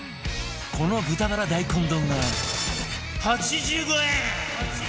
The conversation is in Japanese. この豚バラ大根丼が８５円！